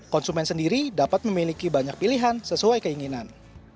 konsumen sendiri dapat memiliki banyak pilihan sesuai keinginan